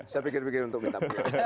saya pikir pikir untuk minta